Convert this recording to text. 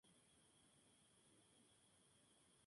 Se retiró en el club Defensa y Justicia.